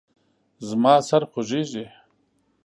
زما سر خوږیږي